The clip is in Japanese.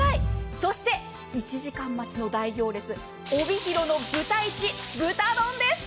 そして１時間待ちの大行列、帯広のぶたいち、豚丼です。